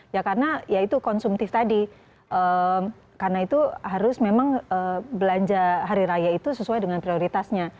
ya karena ya itu konsumtif tadi karena itu harus memang belanja hari raya itu sesuai dengan prioritasnya